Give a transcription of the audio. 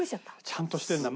ちゃんとしてるんだ。